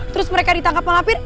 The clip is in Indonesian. terus mereka ditangkap malam pir